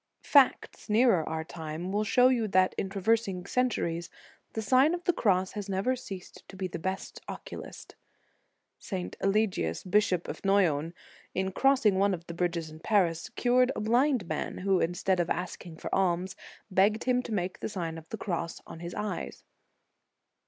| Facts nearer our time will show you that in traversing centuries, the Sign of the Cross has never ceased to be the best oculist. St. Eligius, Bishop of Noyon, in crossing one of the bridges in Paris, cured a blind man, who, instead of asking for alms, begged him to make the Sign of the Cross on his eyes.